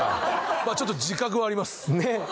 まあちょっと自覚はあります。